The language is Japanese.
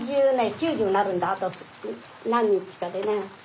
９０なるんだあと何日かでね。